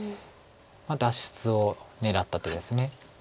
脱出を狙った手です。